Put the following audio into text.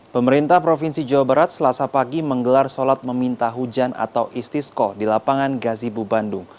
pemerintah provinsi jawa barat selasa pagi menggelar sholat meminta hujan atau istiskoh di lapangan gazibu bandung